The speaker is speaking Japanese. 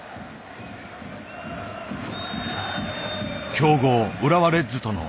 強豪浦和レッズとの対戦の日。